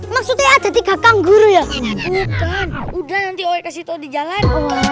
maksudnya jadi kakak guru ya udah udah di jalan